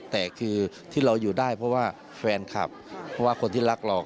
แต่คือที่เราอยู่ได้เพราะว่าแฟนคลับเพราะว่าคนที่รักเรา